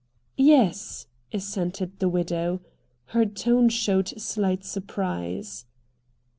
"Yes," assented the widow. Her tone showed slight surprise.